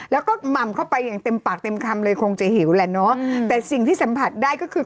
แล้วก็หม่ำเข้าไปอย่างเต็มปากเต็มคำเลยคงจะหิวแหละเนอะแต่สิ่งที่สัมผัสได้ก็คือ